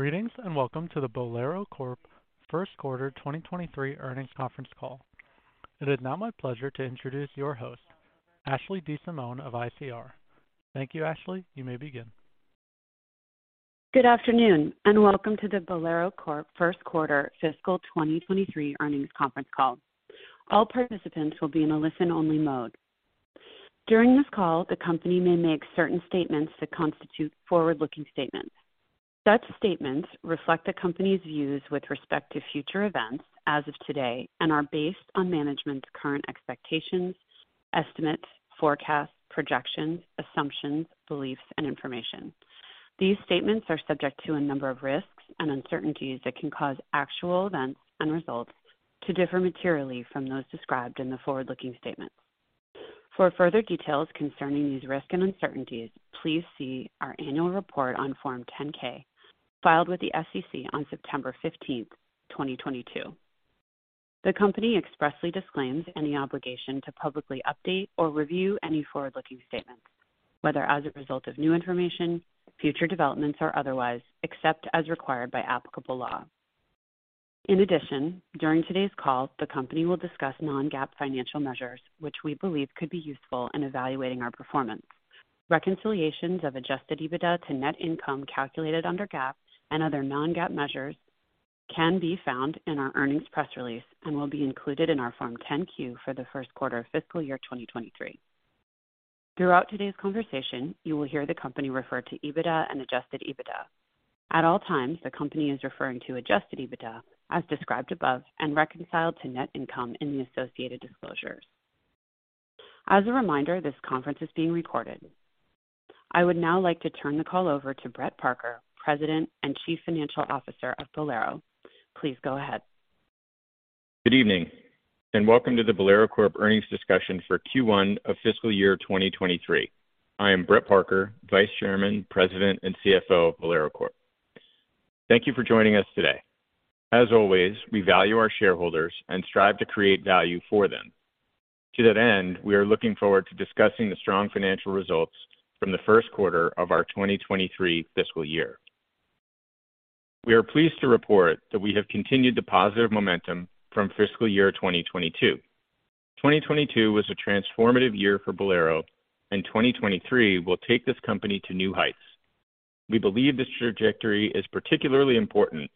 Greetings, and welcome to the Bowlero Corp Q1 2023 Earnings Conference Call. It is now my pleasure to introduce your host, Ashley DeSimone of ICR. Thank you, Ashley. You may begin. Good afternoon, and welcome to the Bowlero Corp Q1 fiscal 2023 Earnings Conference Call. All participants will be in a listen-only mode. During this call, the company may make certain statements that constitute forward-looking statements. Such statements reflect the company's views with respect to future events as of today and are based on management's current expectations, estimates, forecasts, projections, assumptions, beliefs, and information. These statements are subject to a number of risks and uncertainties that can cause actual events and results to differ materially from those described in the forward-looking statements. For further details concerning these risks and uncertainties, please see our annual report on Form 10-K filed with the SEC on 15 September 2022. The company expressly disclaims any obligation to publicly update or review any forward-looking statements, whether as a result of new information, future developments, or otherwise, except as required by applicable law. In addition, during today's call, the company will discuss non-GAAP financial measures, which we believe could be useful in evaluating our performance. Reconciliations of adjusted EBITDA to net income calculated under GAAP and other non-GAAP measures can be found in our earnings press release and will be included in our Form 10-Q for the Q1 of fiscal year 2023. Throughout today's conversation, you will hear the company refer to EBITDA and adjusted EBITDA. At all times, the company is referring to adjusted EBITDA as described above and reconciled to net income in the associated disclosures. As a reminder, this conference is being recorded. I would now like to turn the call over to Brett Parker, President and Chief Financial Officer of Bowlero. Please go ahead. Good evening, and welcome to the Bowlero Corp earnings discussion for Q1 of fiscal year 2023. I am Brett Parker, Vice Chairman, President, and CFO of Bowlero Corp Thank you for joining us today. As always, we value our shareholders and strive to create value for them. To that end, we are looking forward to discussing the strong financial results from the Q1 of our 2023 fiscal year. We are pleased to report that we have continued the positive momentum from fiscal year 2022. 2022 was a transformative year for Bowlero, and 2023 will take this company to new heights. We believe this trajectory is particularly important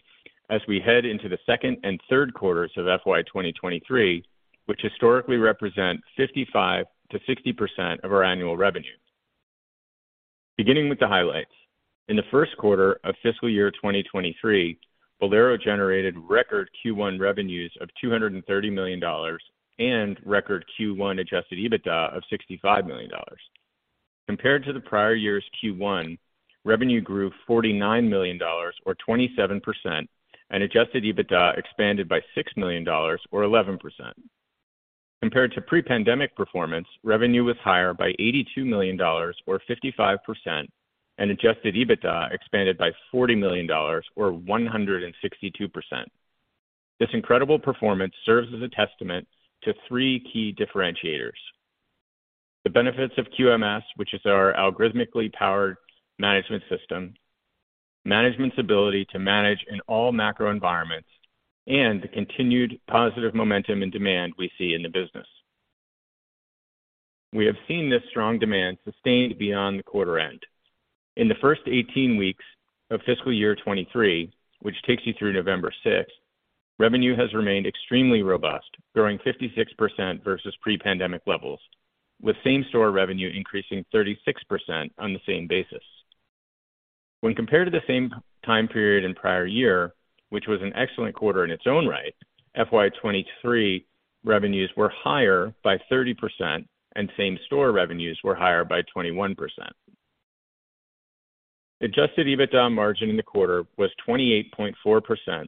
as we head into the Q2 and Q3 of FY 2023, which historically represent 55%-60% of our annual revenue. Beginning with the highlights. In the Q1 of fiscal year 2023, Bowlero generated record Q1 revenues of $230 million and record Q1 adjusted EBITDA of $65 million. Compared to the prior year's Q1, revenue grew $49 million or 27% and adjusted EBITDA expanded by $6 million or 11%. Compared to pre-pandemic performance, revenue was higher by $82 million or 55% and adjusted EBITDA expanded by $40 million or 162%. This incredible performance serves as a testament to three key differentiators. The benefits of QMS, which is our algorithmically powered management system, management's ability to manage in all macro environments, and the continued positive momentum and demand we see in the business. We have seen this strong demand sustained beyond the quarter end. In the first 18 weeks of fiscal year 2023, which takes you through 6 November, revenue has remained extremely robust, growing 56% versus pre-pandemic levels, with same-store revenue increasing 36% on the same basis. When compared to the same time period in prior year, which was an excellent quarter in its own right, FY 2023 revenues were higher by 30% and same-store revenues were higher by 21%. Adjusted EBITDA margin in the quarter was 28.4%,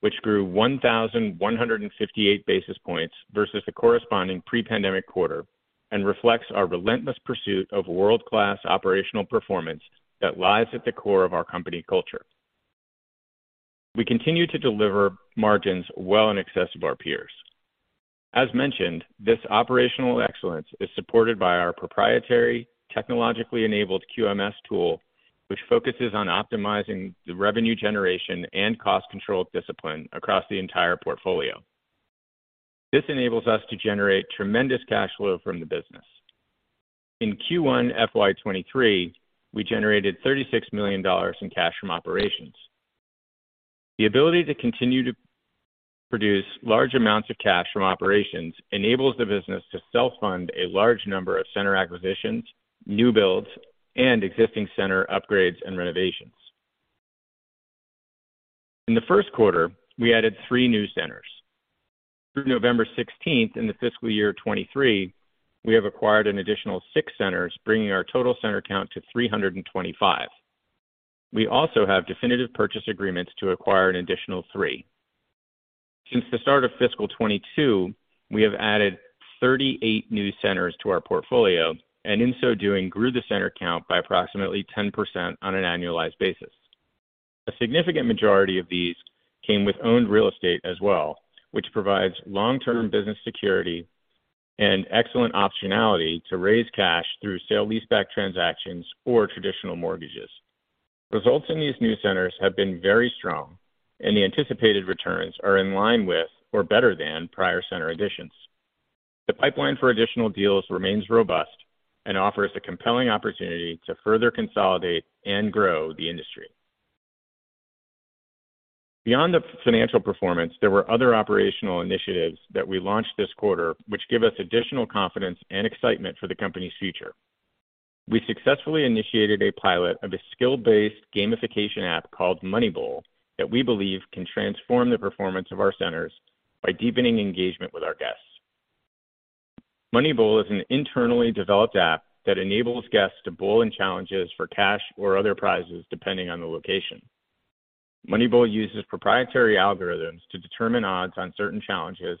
which grew 1,158 basis points versus the corresponding pre-pandemic quarter and reflects our relentless pursuit of world-class operational performance that lies at the core of our company culture. We continue to deliver margins well in excess of our peers. As mentioned, this operational excellence is supported by our proprietary technologically enabled QMS tool, which focuses on optimizing the revenue generation and cost control discipline across the entire portfolio. This enables us to generate tremendous cash flow from the business. In Q1 FY 2023, we generated $36 million in cash from operations. The ability to continue to produce large amounts of cash from operations enables the business to self-fund a large number of center acquisitions, new builds, and existing center upgrades and renovations. In the Q1, we added three new centers. Through 16 November in the fiscal year 2023, we have acquired an additional six centers, bringing our total center count to 325. We also have definitive purchase agreements to acquire an additional three. Since the start of fiscal 2022, we have added 38 new centers to our portfolio, and in so doing grew the center count by approximately 10% on an annualized basis. A significant majority of these came with owned real estate as well, which provides long-term business security and excellent optionality to raise cash through sale leaseback transactions or traditional mortgages. Results in these new centers have been very strong, and the anticipated returns are in line with or better than prior center additions. The pipeline for additional deals remains robust and offers a compelling opportunity to further consolidate and grow the industry. Beyond the financial performance, there were other operational initiatives that we launched this quarter, which give us additional confidence and excitement for the company's future. We successfully initiated a pilot of a skill-based gamification app called Money Bowl that we believe can transform the performance of our centers by deepening engagement with our guests. Money Bowl is an internally developed app that enables guests to bowl in challenges for cash or other prizes, depending on the location. Money Bowl uses proprietary algorithms to determine odds on certain challenges,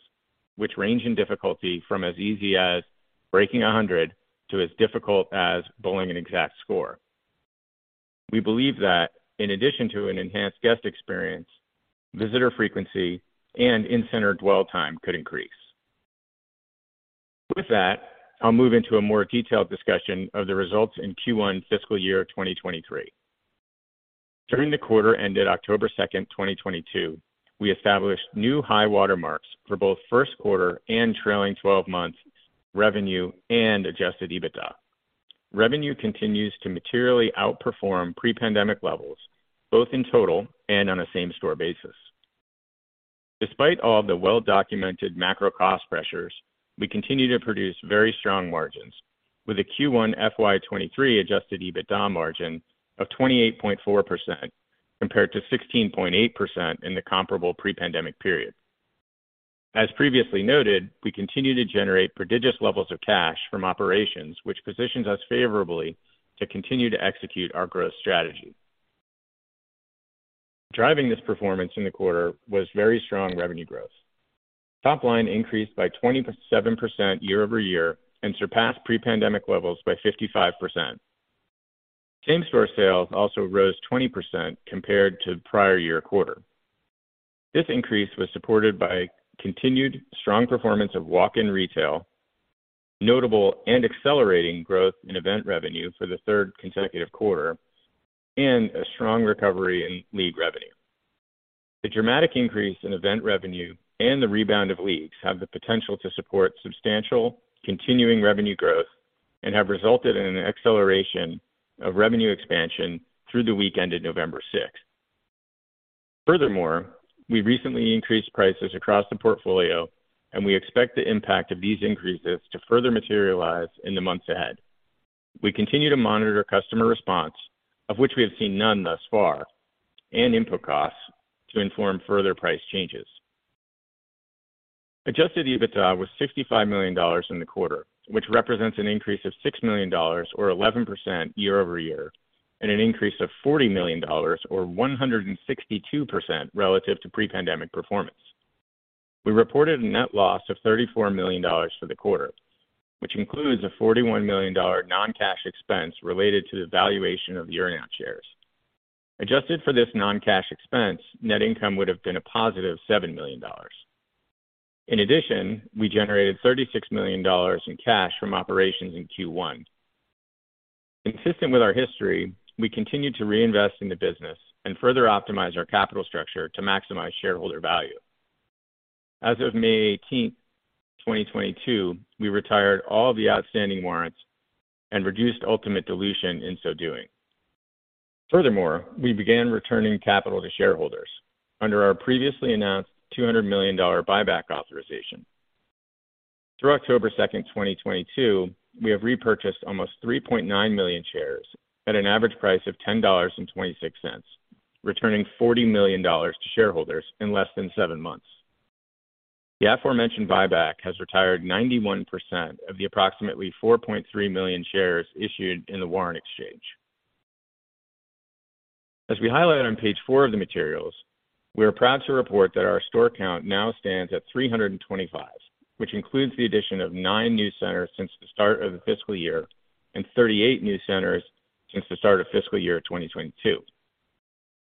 which range in difficulty from as easy as breaking 100 to as difficult as bowling an exact score. We believe that in addition to an enhanced guest experience, visitor frequency, and in-center dwell time could increase. With that, I'll move into a more detailed discussion of the results in Q1 fiscal year 2023. During the quarter ended 2 October, 2022, we established new high water marks for both Q1 and trailing 12 months revenue and adjusted EBITDA. Revenue continues to materially outperform pre-pandemic levels, both in total and on a same-store basis. Despite all the well-documented macro cost pressures, we continue to produce very strong margins with a Q1 FY 2023 adjusted EBITDA margin of 28.4%, compared to 16.8% in the comparable pre-pandemic period. As previously noted, we continue to generate prodigious levels of cash from operations, which positions us favorably to continue to execute our growth strategy. Driving this performance in the quarter was very strong revenue growth. Top line increased by 27% year-over-year and surpassed pre-pandemic levels by 55%. Same-store sales also rose 20% compared to the prior year quarter. This increase was supported by continued strong performance of walk-in retail, notable and accelerating growth in event revenue for the third consecutive quarter, and a strong recovery in league revenue. The dramatic increase in event revenue and the rebound of leagues have the potential to support substantial continuing revenue growth and have resulted in an acceleration of revenue expansion through the week ended 6 November. Furthermore, we recently increased prices across the portfolio, and we expect the impact of these increases to further materialize in the months ahead. We continue to monitor customer response, of which we have seen none thus far, and input costs to inform further price changes. Adjusted EBITDA was $65 million in the quarter, which represents an increase of $6 million or 11% year-over-year, and an increase of $40 million or 162% relative to pre-pandemic performance. We reported a net loss of $34 million for the quarter, which includes a $41 million non-cash expense related to the valuation of the Earnout shares. Adjusted for this non-cash expense, net income would have been a positive $7 million. In addition, we generated $36 million in cash from operations in Q1. Consistent with our history, we continued to reinvest in the business and further optimize our capital structure to maximize shareholder value. As of 18 May, 2022, we retired all the outstanding warrants and reduced ultimate dilution in so doing. Furthermore, we began returning capital to shareholders under our previously announced $200 million buyback authorization. Through 2 October, 2022, we have repurchased almost 3.9 million shares at an average price of $10.26, returning $40 million to shareholders in less than seven months. The aforementioned buyback has retired 91% of the approximately 4.3 million shares issued in the warrant exchange. As we highlighted on page four of the materials, we are proud to report that our store count now stands at 325, which includes the addition of nine new centers since the start of the fiscal year and 38 new centers since the start of fiscal year 2022.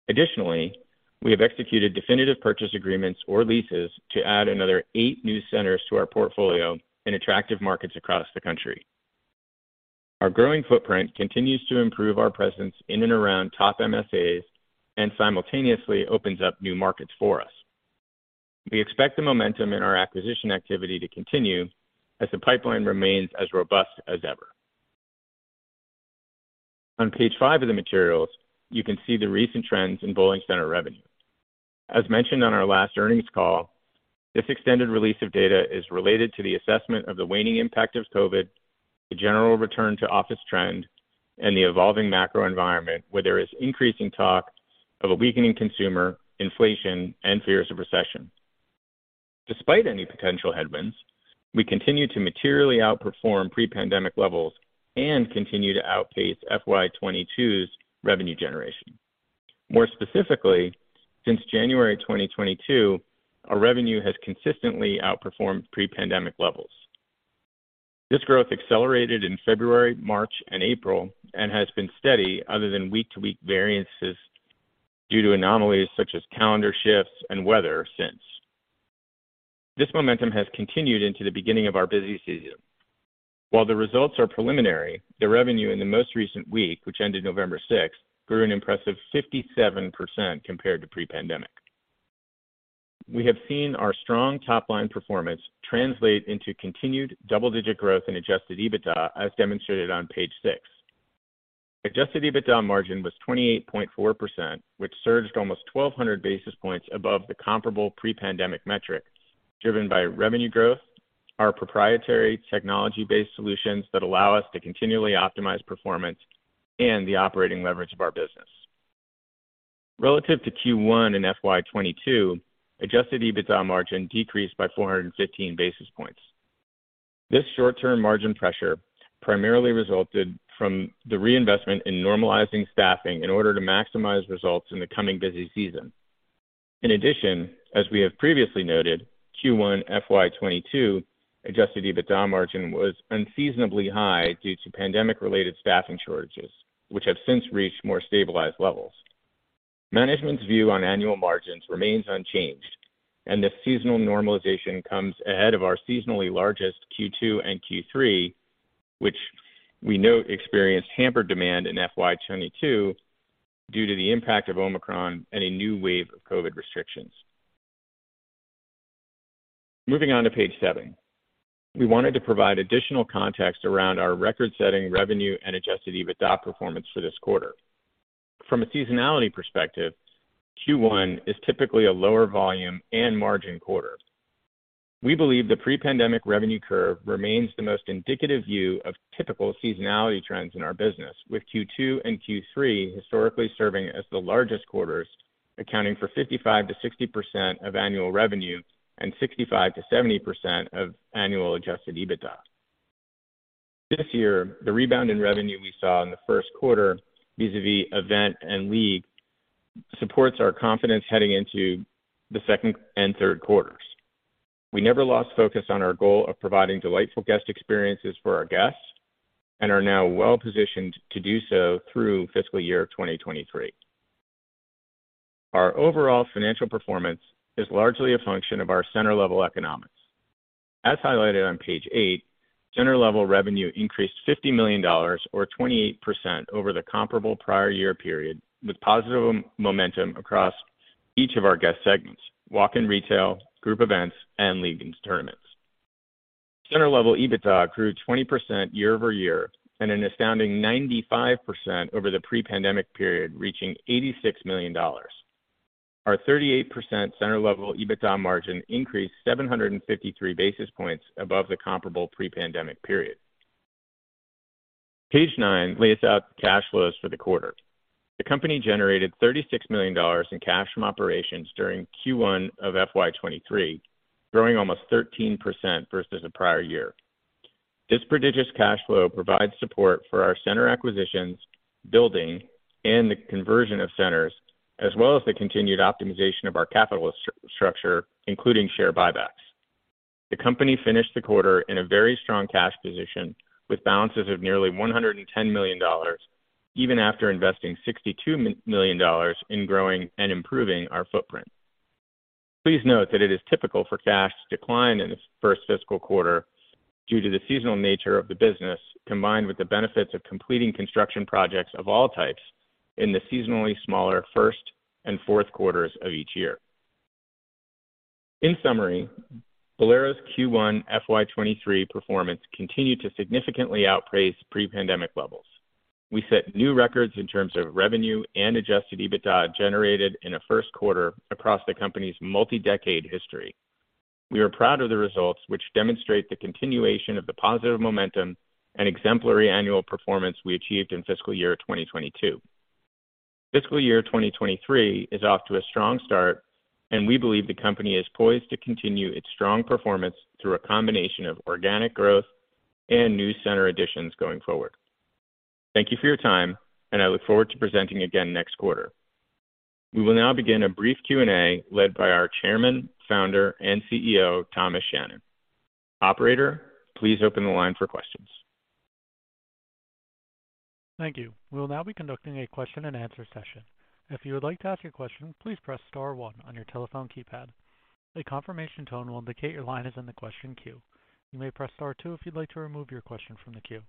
Additionally, we have executed definitive purchase agreements or leases to add another eight new centers to our portfolio in attractive markets across the country. Our growing footprint continues to improve our presence in and around top MSAs and simultaneously opens up new markets for us. We expect the momentum in our acquisition activity to continue as the pipeline remains as robust as ever. On page five of the materials, you can see the recent trends in bowling center revenue. As mentioned on our last earnings call, this extended release of data is related to the assessment of the waning impact of COVID, the general return to office trend, and the evolving macro environment where there is increasing talk of a weakening consumer, inflation, and fears of recession. Despite any potential headwinds, we continue to materially outperform pre-pandemic levels and continue to outpace FY 2022's revenue generation. More specifically, since January 2022, our revenue has consistently outperformed pre-pandemic levels. This growth accelerated in February, March, and April and has been steady other than week-to-week variances due to anomalies such as calendar shifts and weather since. This momentum has continued into the beginning of our busy season. While the results are preliminary, the revenue in the most recent week, which ended 6 November, grew an impressive 57% compared to pre-pandemic. We have seen our strong top-line performance translate into continued double-digit growth in adjusted EBITDA, as demonstrated on page six. Adjusted EBITDA margin was 28.4%, which surged almost 1,200 basis points above the comparable pre-pandemic metric, driven by revenue growth, our proprietary technology-based solutions that allow us to continually optimize performance, and the operating leverage of our business. Relative to Q1 in FY 2022, adjusted EBITDA margin decreased by 415 basis points. This short-term margin pressure primarily resulted from the reinvestment in normalizing staffing in order to maximize results in the coming busy season. In addition, as we have previously noted, Q1 FY 2022 adjusted EBITDA margin was unseasonably high due to pandemic-related staffing shortages, which have since reached more stabilized levels. Management's view on annual margins remains unchanged, and the seasonal normalization comes ahead of our seasonally largest Q2 and Q3, which we note experienced hampered demand in FY 2022 due to the impact of Omicron and a new wave of COVID restrictions. Moving on to page seven. We wanted to provide additional context around our record-setting revenue and adjusted EBITDA performance for this quarter. From a seasonality perspective, Q1 is typically a lower volume and margin quarter. We believe the pre-pandemic revenue curve remains the most indicative view of typical seasonality trends in our business, with Q2 and Q3 historically serving as the largest quarters, accounting for 55%-60% of annual revenue and 65%-70% of annual adjusted EBITDA. This year, the rebound in revenue we saw in the Q1 vis-a-vis event and league supports our confidence heading into the Q2 and Q3. We never lost focus on our goal of providing delightful guest experiences for our guests and are now well-positioned to do so through fiscal year 2023. Our overall financial performance is largely a function of our center-level economics. As highlighted on page eight, center-level revenue increased $50 million or 28% over the comparable prior year period, with positive momentum across each of our guest segments, walk-in retail, group events, and leagues and tournaments. Center-level EBITDA grew 20% year-over-year and an astounding 95% over the pre-pandemic period, reaching $86 million. Our 38% center-level EBITDA margin increased 753 basis points above the comparable pre-pandemic period. Page nine lays out the cash flows for the quarter. The company generated $36 million in cash from operations during Q1 of FY 2023, growing almost 13% versus the prior year. This prodigious cash flow provides support for our center acquisitions, building, and the conversion of centers, as well as the continued optimization of our capital structure, including share buybacks. The company finished the quarter in a very strong cash position with balances of nearly $110 million even after investing $62 million in growing and improving our footprint. Please note that it is typical for cash to decline in the first fiscal quarter due to the seasonal nature of the business, combined with the benefits of completing construction projects of all types in the seasonally smaller Q1 and Q4 of each year. In summary, Bowlero's Q1 FY 2023 performance continued to significantly outpace pre-pandemic levels. We set new records in terms of revenue and adjusted EBITDA generated in a Q1 across the company's multi-decade history. We are proud of the results which demonstrate the continuation of the positive momentum and exemplary annual performance we achieved in fiscal year 2022. Fiscal year 2023 is off to a strong start, and we believe the company is poised to continue its strong performance through a combination of organic growth and new center additions going forward. Thank you for your time, and I look forward to presenting again next quarter. We will now begin a brief Q&A led by our Chairman, Founder, and CEO, Thomas Shannon. Operator, please open the line for questions. Thank you. We will now be conducting a question and answer session. If you would like to ask a question, please press star one on your telephone keypad. A confirmation tone will indicate your line is in the question queue. You may press star two if you'd like to remove your question from the queue.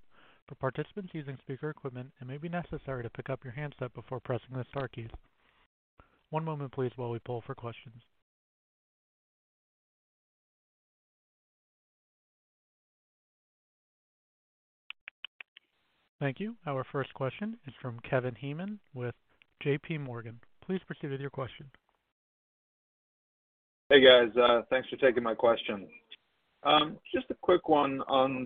For participants using speaker equipment, it may be necessary to pick up your handset before pressing the star keys. One moment please while we poll for questions. Thank you. Our first question is from Kevin Heenan with JP Morgan. Please proceed with your question. Hey, guys. Thanks for taking my question. Just a quick one on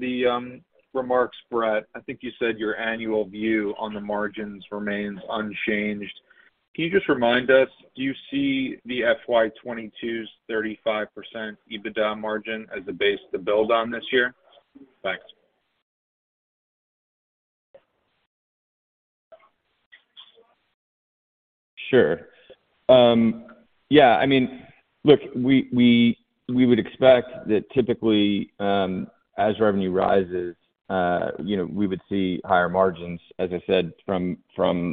the remarks, Brett. I think you said your annual view on the margins remains unchanged. Can you just remind us, do you see the FY 2022's 35% EBITDA margin as a base to build on this year? Thanks. Sure. Yeah, I mean, look, we would expect that typically, as revenue rises, you know, we would see higher margins, as I said, from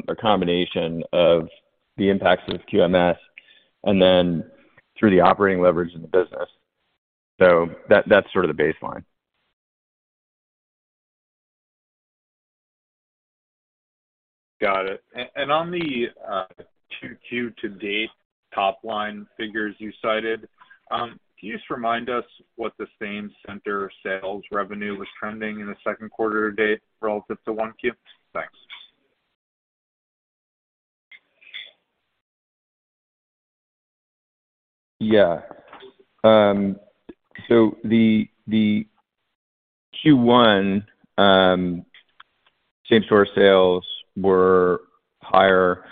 a combination of the impacts of QMS and then through the operating leverage in the business. So that's sort of the baseline. Got it. On the 2Q to date top line figures you cited, can you just remind us what the same center sales revenue was trending in the Q2 to date relative to 1Q? Thanks. Yeah. So the Q1 same-store sales were higher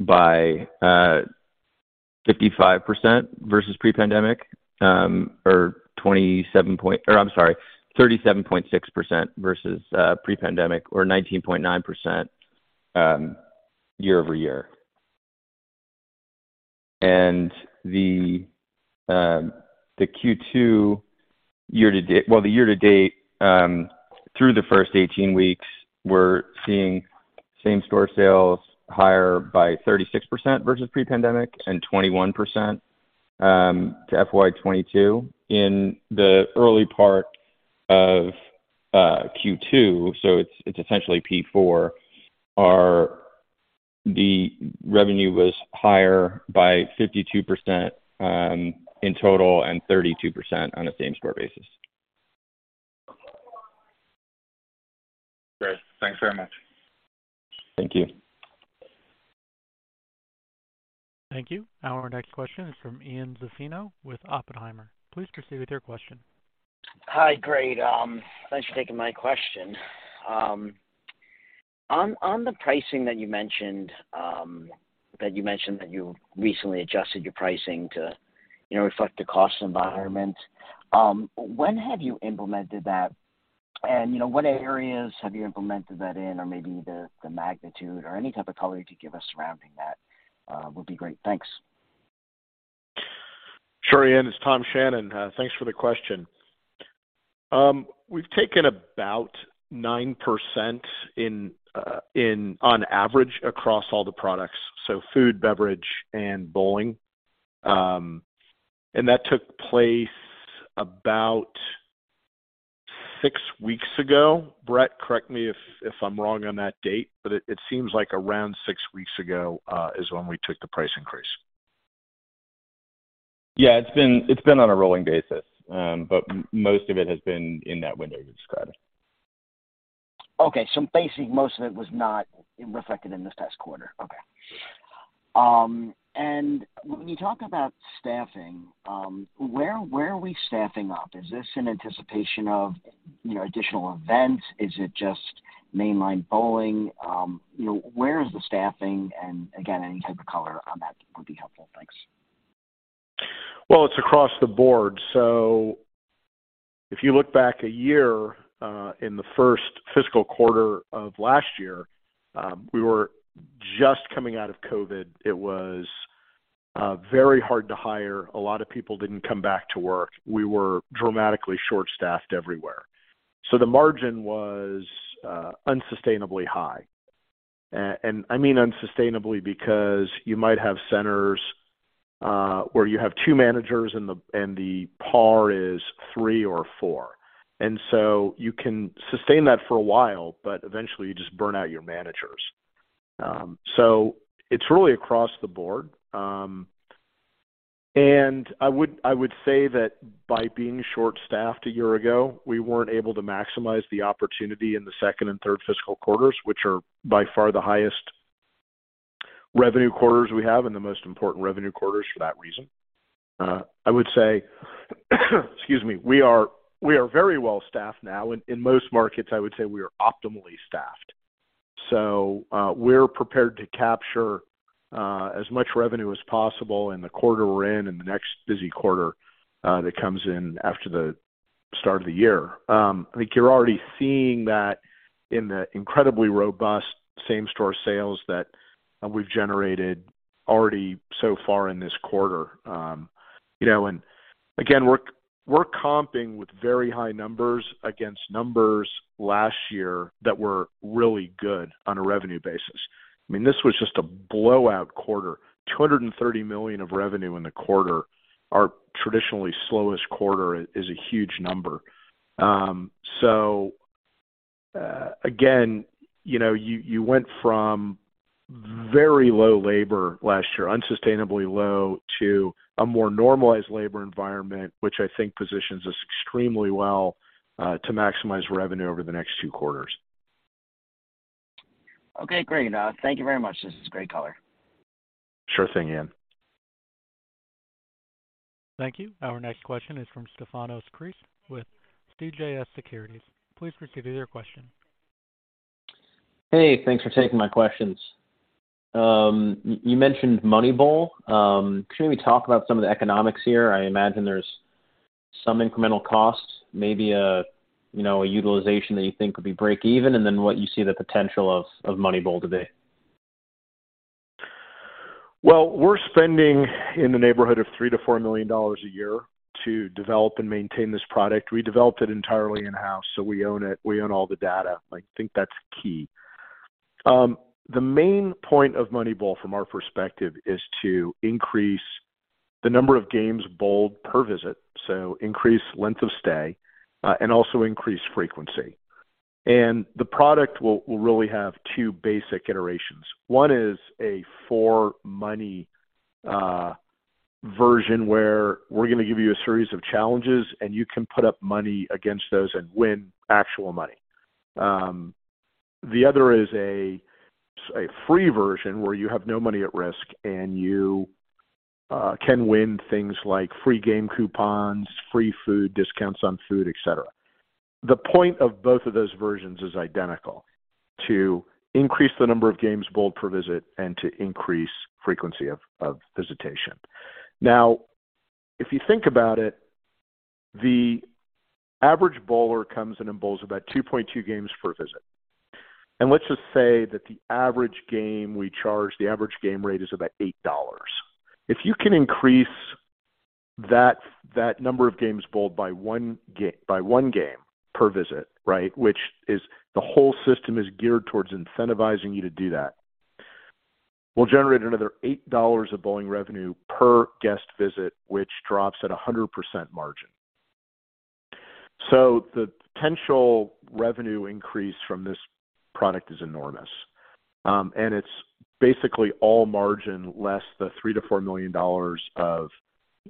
by 55% versus pre-pandemic or 37.6% versus pre-pandemic or 19.9% year-over-year. The Q2 year to date through the first 18 weeks, we're seeing same-store sales higher by 36% versus pre-pandemic and 21% to FY 2022 in the early part of Q2. It's essentially, the revenue was higher by 52% in total and 32% on a same-store basis. Great. Thanks very much. Thank you. Thank you. Our next question is from Ian Zaffino with Oppenheimer. Please proceed with your question. Hi. Great. Thanks for taking my question. On the pricing that you mentioned that you recently adjusted your pricing to, you know, reflect the cost environment, when have you implemented that? You know, what areas have you implemented that in or maybe the magnitude or any type of color you could give us surrounding that would be great. Thanks. Sure, Ian. It's Tom Shannon. Thanks for the question. We've taken about 9% increase on average across all the products, so food, beverage, and bowling. That took place about six weeks ago. Brett, correct me if I'm wrong on that date, but it seems like around six weeks ago is when we took the price increase. Yeah. It's been on a rolling basis. But most of it has been in that window you described. Okay. Basically, most of it was not reflected in this past quarter. Okay. When you talk about staffing, where are we staffing up? Is this in anticipation of, you know, additional events? Is it just mainline bowling? You know, where is the staffing? Again, any type of color on that would be helpful. Thanks. Well, it's across the board. If you look back a year, in the Q1 fiscal of last year, we were just coming out of COVID. It was very hard to hire. A lot of people didn't come back to work. We were dramatically short-staffed everywhere. The margin was unsustainably high. I mean unsustainably because you might have centers, where you have two managers and the par is three or four. You can sustain that for a while, but eventually you just burn out your managers. It's really across the board. I would say that by being short-staffed a year ago, we weren't able to maximize the opportunity in the second and third fiscal quarters, which are by far the highest revenue quarters we have and the most important revenue quarters for that reason. I would say, excuse me, we are very well staffed now. In most markets, I would say we are optimally staffed. We're prepared to capture as much revenue as possible in the quarter we're in and the next busy quarter that comes in after the start of the year. I think you're already seeing that in the incredibly robust same-store sales that we've generated already so far in this quarter. You know, we're comping with very high numbers against numbers last year that were really good on a revenue basis. I mean, this was just a blowout quarter. $230 million of revenue in the quarter, our traditionally slowest quarter, is a huge number. Again, you know, you went from very low labor last year, unsustainably low, to a more normalized labor environment, which I think positions us extremely well, to maximize revenue over the next two quarters. Okay, great. Thank you very much. This is great color. Sure thing, Ian. Thank you. Our next question is from Stefanos Crist with CJS Securities. Please proceed with your question. Hey, thanks for taking my questions. You mentioned Money Bowl. Can you maybe talk about some of the economics here? I imagine there's... Some incremental costs, maybe, you know, a utilization that you think would be breakeven, and then what you see the potential of Money Bowl to be. Well, we're spending in the neighborhood of $3 million-$4 million a year to develop and maintain this product. We developed it entirely in-house, so we own it. We own all the data. I think that's key. The main point of Money Bowl from our perspective is to increase the number of games bowled per visit, so increase length of stay, and also increase frequency. The product will really have two basic iterations. One is a for money version where we're gonna give you a series of challenges and you can put up money against those and win actual money. The other is a free version where you have no money at risk and you can win things like free game coupons, free food, discounts on food, etc. The point of both of those versions is identical, to increase the number of games bowled per visit and to increase frequency of visitation. Now, if you think about it, the average bowler comes in and bowls about 2.2 games per visit. Let's just say that the average game we charge, the average game rate is about $8. If you can increase that number of games bowled by one game per visit, right, which is the whole system is geared towards incentivizing you to do that, we'll generate another $8 of bowling revenue per guest visit, which drops at a 100% margin. The potential revenue increase from this product is enormous. It's basically all margin less the $3 million-$4 million of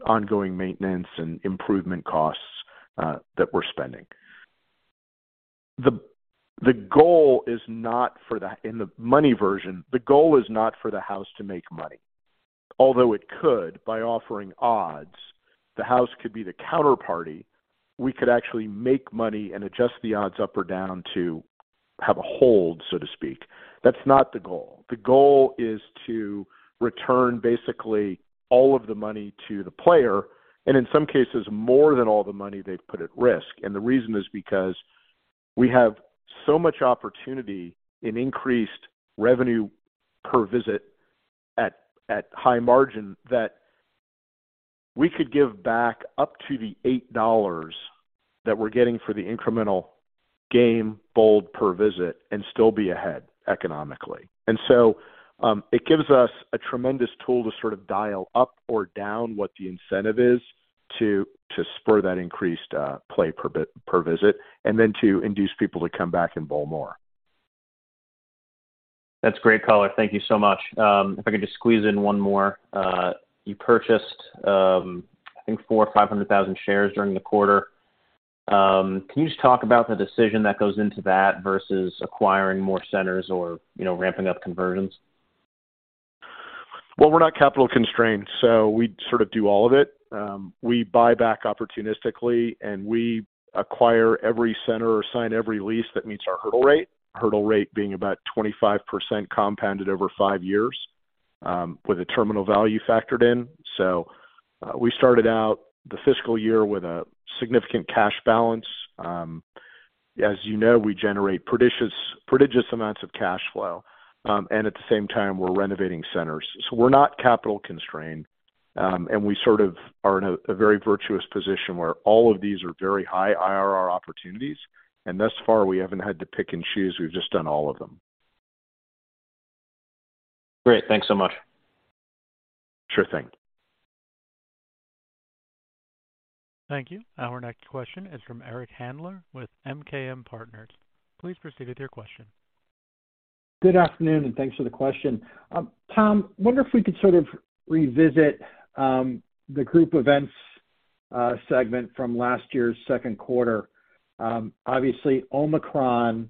ongoing maintenance and improvement costs that we're spending. In the money version, the goal is not for the house to make money, although it could by offering odds. The house could be the counterparty. We could actually make money and adjust the odds up or down to have a hold, so to speak. That's not the goal. The goal is to return basically all of the money to the player, and in some cases more than all the money they've put at risk. The reason is because we have so much opportunity in increased revenue per visit at high margin that we could give back up to the $8 that we're getting for the incremental game bowled per visit and still be ahead economically. It gives us a tremendous tool to sort of dial up or down what the incentive is to spur that increased play per visit, and then to induce people to come back and bowl more. That's great color. Thank you so much. If I could just squeeze in one more. You purchased, I think 400,000 or 500,000 shares during the quarter. Can you just talk about the decision that goes into that versus acquiring more centers or, you know, ramping up conversions? Well, we're not capital constrained, so we sort of do all of it. We buy back opportunistically, and we acquire every center or sign every lease that meets our hurdle rate, hurdle rate being about 25% compounded over five years, with a terminal value factored in. We started out the fiscal year with a significant cash balance. As you know, we generate prodigious amounts of cash flow, and at the same time, we're renovating centers. We're not capital constrained, and we sort of are in a very virtuous position where all of these are very high IRR opportunities. Thus far, we haven't had to pick and choose. We've just done all of them. Great. Thanks so much. Sure thing. Thank you. Our next question is from Eric Handler with MKM Partners. Please proceed with your question. Good afternoon, and thanks for the question. Tom, wonder if we could sort of revisit the group events segment from last year's Q2. Obviously, Omicron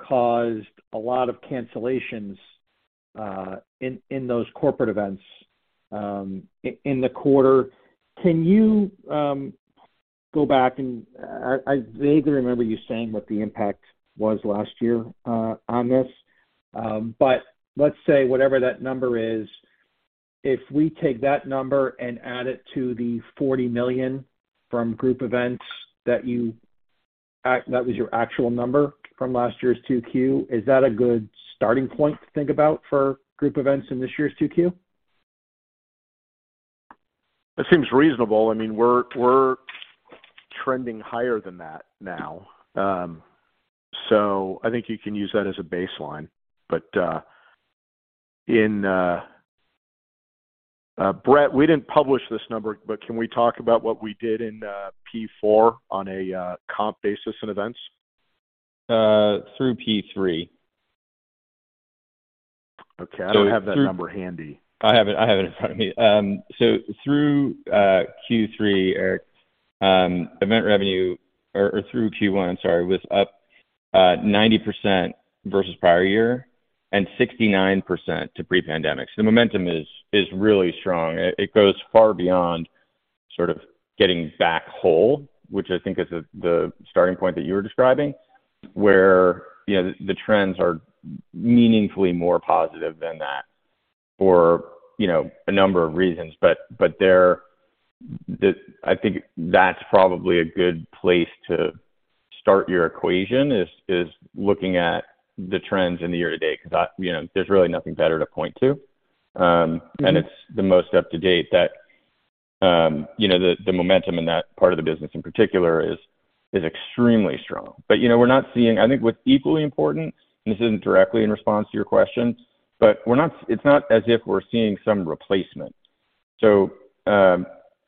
caused a lot of cancellations in those corporate events in the quarter. Can you go back and I vaguely remember you saying what the impact was last year on this. Let's say whatever that number is, if we take that number and add it to the $40 million from group events that was your actual number from last year's Q2, is that a good starting point to think about for group events in this year's Q2? It seems reasonable. I mean, we're trending higher than that now. I think you can use that as a baseline. Brett, we didn't publish this number, but can we talk about what we did in Q4 on a comp basis in events? through Q3. Okay. I don't have that number handy. I have it in front of me. Through Q3, Eric, event revenue or through Q1, sorry, was up 90% versus prior year and 69% to pre-pandemic. The momentum is really strong. It goes far beyond sort of getting back whole, which I think is the starting point that you were describing, where, you know, the trends are meaningfully more positive than that. You know, a number of reasons, but there the, I think that's probably a good place to start your equation is looking at the trends in the year-to-date, 'cause I, you know, there's really nothing better to point to. Mm-hmm. It's the most up-to-date that you know the momentum in that part of the business, in particular, is extremely strong. You know, we're not seeing. I think what's equally important, and this isn't directly in response to your question, but it's not as if we're seeing some replacement.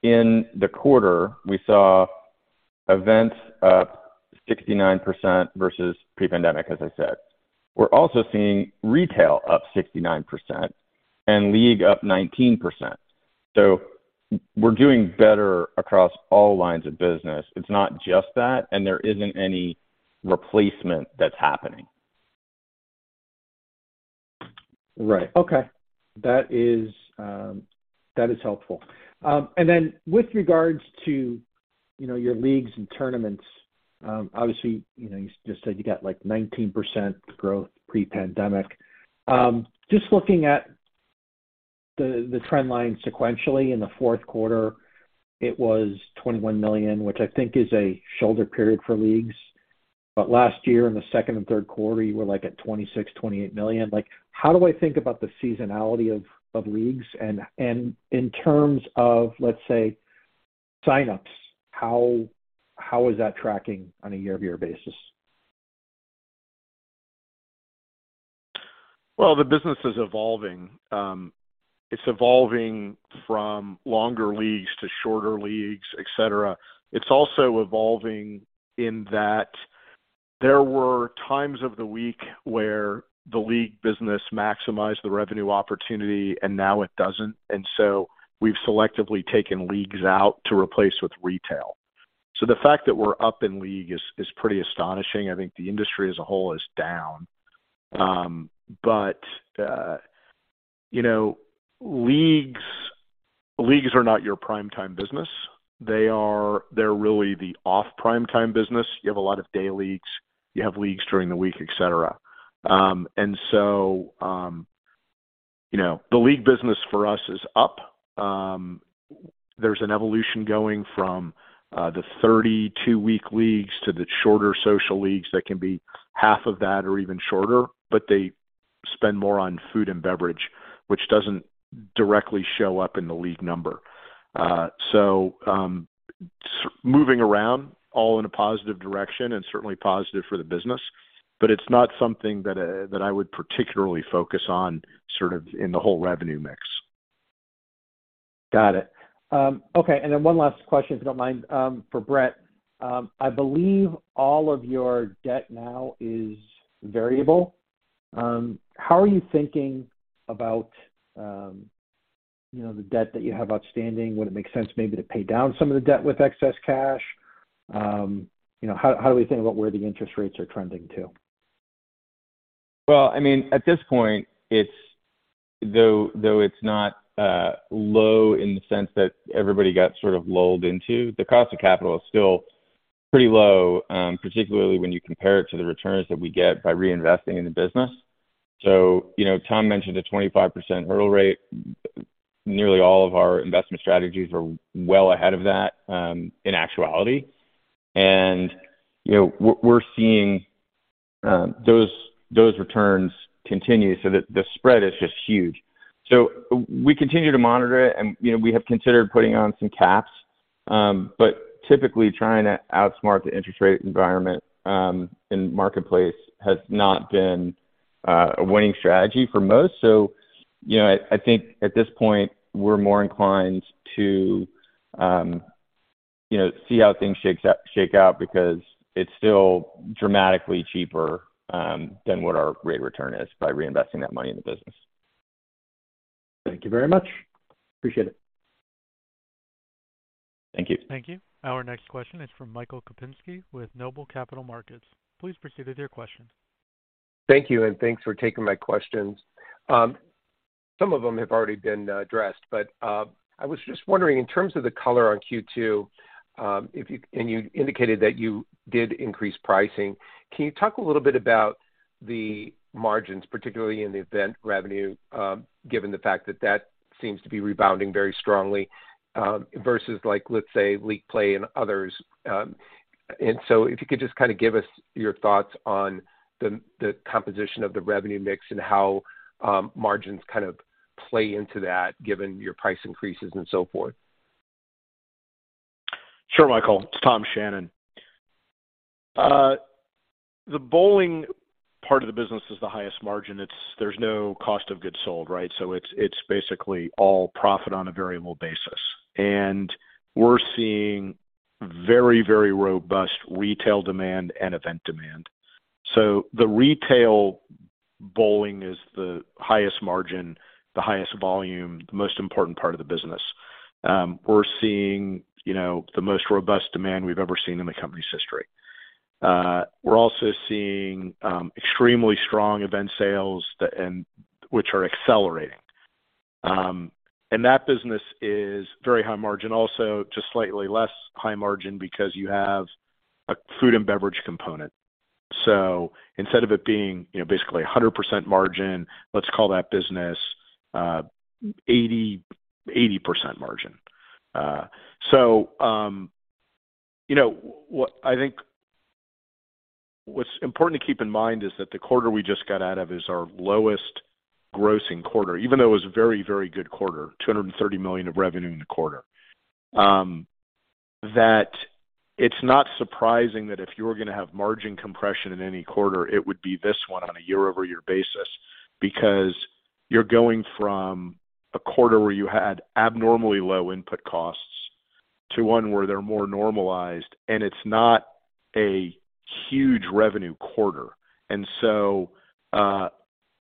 In the quarter, we saw events up 69% versus pre-pandemic, as I said. We're also seeing retail up 69% and league up 19%. We're doing better across all lines of business. It's not just that, and there isn't any replacement that's happening. Right. Okay. That is helpful. Then with regards to, you know, your leagues and tournaments, obviously, you know, you just said you got, like, 19% growth pre-pandemic. Just looking at the trend line sequentially in the Q4, it was $21 million, which I think is a shoulder period for leagues. Last year in the Q2 and Q3, you were, like, at $26 million, $28 million. Like, how do I think about the seasonality of leagues? In terms of, let's say, signups, how is that tracking on a year-over-year basis? Well, the business is evolving. It's evolving from longer leagues to shorter leagues, et cetera. It's also evolving in that there were times of the week where the league business maximized the revenue opportunity, and now it doesn't. We've selectively taken leagues out to replace with retail. The fact that we're up in league is pretty astonishing. I think the industry as a whole is down. You know, leagues are not your prime time business. They're really the off prime time business. You have a lot of day leagues, you have leagues during the week, et cetera. You know, the league business for us is up. There's an evolution going from the 32-week leagues to the shorter social leagues that can be half of that or even shorter, but they spend more on food and beverage, which doesn't directly show up in the league number. Moving around all in a positive direction and certainly positive for the business, but it's not something that I would particularly focus on, sort of, in the whole revenue mix. Got it. Okay. One last question, if you don't mind, for Brett. I believe all of your debt now is variable. How are you thinking about, you know, the debt that you have outstanding? Would it make sense maybe to pay down some of the debt with excess cash? You know, how do we think about where the interest rates are trending too? Well, I mean, at this point, it's. Though it's not low in the sense that everybody got sort of lulled into, the cost of capital is still pretty low, particularly when you compare it to the returns that we get by reinvesting in the business. You know, Tom mentioned a 25% hurdle rate. Nearly all of our investment strategies are well ahead of that, in actuality. You know, we're seeing those returns continue so that the spread is just huge. We continue to monitor it and, you know, we have considered putting on some caps. But typically trying to outsmart the interest rate environment in the marketplace has not been a winning strategy for most. You know, I think at this point, we're more inclined to, you know, see how things shake out because it's still dramatically cheaper than what our rate of return is by reinvesting that money in the business. Thank you very much. Appreciate it. Thank you. Thank you. Our next question is from Michael Kupinski with Noble Capital Markets. Please proceed with your question. Thank you, and thanks for taking my questions. Some of them have already been addressed, but I was just wondering in terms of the color on Q2, and you indicated that you did increase pricing. Can you talk a little bit about the margins, particularly in the event revenue, given the fact that that seems to be rebounding very strongly, versus like, let's say, league play and others. If you could just kinda give us your thoughts on the composition of the revenue mix and how margins kind of play into that, given your price increases and so forth. Sure, Michael. It's Tom Shannon. The bowling part of the business is the highest margin. There's no cost of goods sold, right? It's basically all profit on a variable basis. We're seeing very robust retail demand and event demand. The retail bowling is the highest margin, the highest volume, the most important part of the business. We're seeing, you know, the most robust demand we've ever seen in the company's history. We're also seeing extremely strong event sales that and which are accelerating. That business is very high margin also, just slightly less high margin because you have a food and beverage component. Instead of it being, you know, basically 100% margin, let's call that business 80% margin. What I think what's important to keep in mind is that the quarter we just got out of is our lowest grossing quarter, even though it was a very, very good quarter, $230 million of revenue in the quarter. That it's not surprising that if you're gonna have margin compression in any quarter, it would be this one on a year-over-year basis, because you're going from a quarter where you had abnormally low input costs to one where they're more normalized and it's not a huge revenue quarter.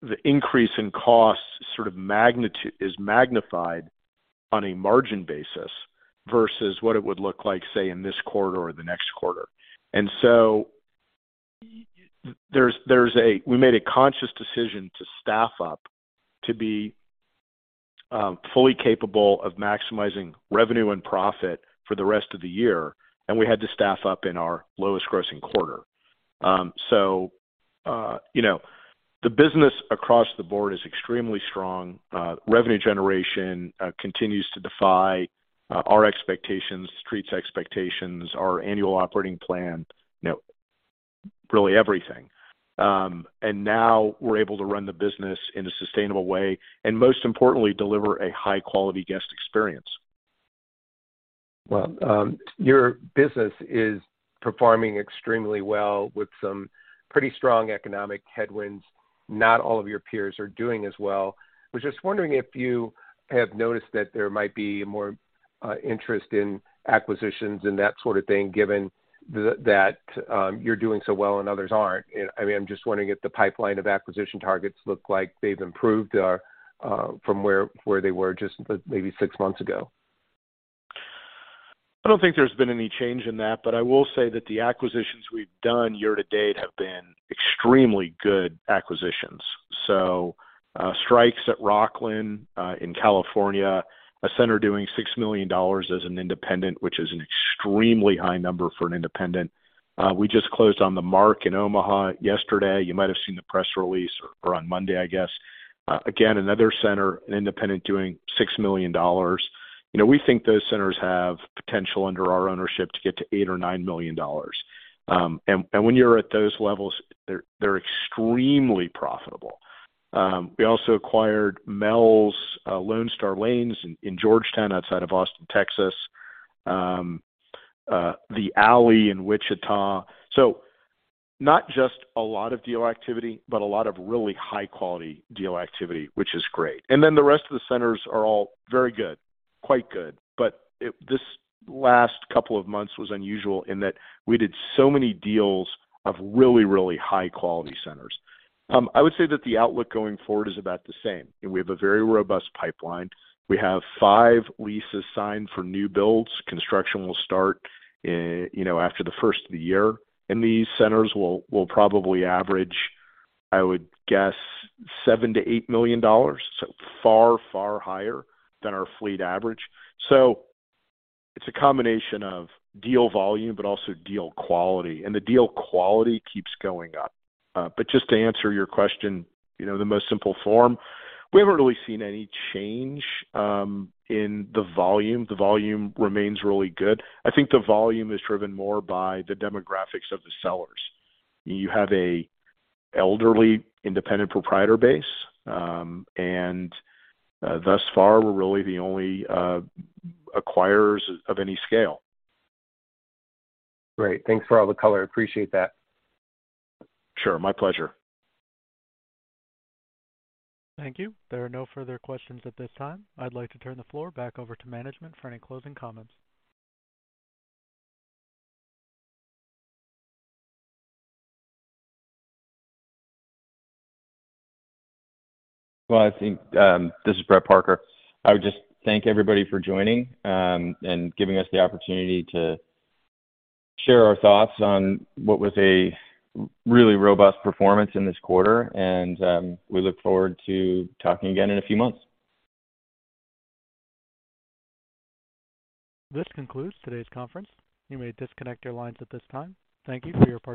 The increase in costs sort of magnitude is magnified on a margin basis versus what it would look like, say, in this quarter or the next quarter. We made a conscious decision to staff up to be fully capable of maximizing revenue and profit for the rest of the year, and we had to staff up in our lowest grossing quarter. You know, the business across the board is extremely strong. Revenue generation continues to defy our expectations, Street's expectations, our annual operating plan, you know, really everything. Now we're able to run the business in a sustainable way, and most importantly, deliver a high-quality guest experience. Well, your business is performing extremely well with some pretty strong economic headwinds. Not all of your peers are doing as well. Was just wondering if you have noticed that there might be more interest in acquisitions and that sort of thing, given that you're doing so well and others aren't. I mean, I'm just wondering if the pipeline of acquisition targets look like they've improved or from where they were just maybe six months ago. I don't think there's been any change in that, but I will say that the acquisitions we've done year to date have been extremely good acquisitions. Strikes at Rocklin in California, a center doing $6 million as an independent, which is an extremely high number for an independent. We just closed on The Mark in Omaha yesterday. You might have seen the press release or on Monday, I guess. Again, another center, an independent doing $6 million. You know, we think those centers have potential under our ownership to get to $8 or $9 million when you're at those levels, they're extremely profitable. We also acquired Mel's Lone Star Lanes in Georgetown, outside of Austin, Texas. The Alley in Wichita. Not just a lot of deal activity, but a lot of really high-quality deal activity, which is great. Then the rest of the centers are all very good, quite good. This last couple of months was unusual in that we did so many deals of really, really high-quality centers. I would say that the outlook going forward is about the same. We have a very robust pipeline. We have five leases signed for new builds. Construction will start, you know, after the first of the year, and these centers will probably average, I would guess, $7-$8 million, so far, far higher than our fleet average. It's a combination of deal volume but also deal quality, and the deal quality keeps going up. Just to answer your question, you know, the most simple form, we haven't really seen any change in the volume. The volume remains really good. I think the volume is driven more by the demographics of the sellers. You have an elderly independent proprietor base, and thus far, we're really the only acquirers of any scale. Great. Thanks for all the color. Appreciate that. Sure. My pleasure. Thank you. There are no further questions at this time. I'd like to turn the floor back over to management for any closing comments. Well, this is Brett Parker. I would just thank everybody for joining and giving us the opportunity to share our thoughts on what was a really robust performance in this quarter. We look forward to talking again in a few months. This concludes today's conference. You may disconnect your lines at this time. Thank you for your participation.